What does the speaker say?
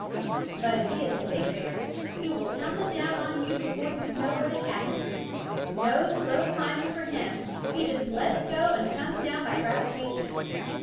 But if he is a big bear, he will tumble down on you before you know what has happened. No slow climbing for him; he just lets go and comes down by gravitation.